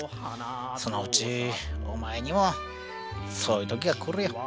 そのうちお前にもそういう時が来るよ。